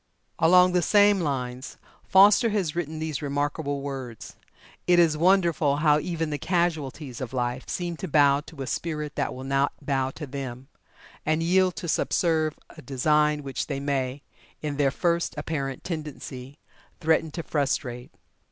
Along the same lines, Foster has written these remarkable words: "It is wonderful how even the casualties of life seem to bow to a spirit that will not bow to them, and yield to subserve a design which they may, in their first apparent tendency, threaten to frustrate.